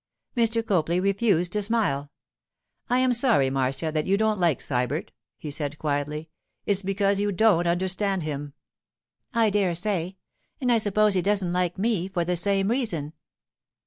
Mr. Copley refused to smile. 'I am sorry, Marcia, that you don't like Sybert,' he said quietly. 'It's because you don't understand him.' 'I dare say; and I suppose he doesn't like me, for the same reason.